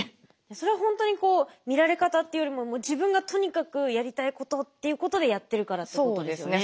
それ本当に見られ方というよりも自分がとにかくやりたいことっていうことでやってるからっていうことですよね。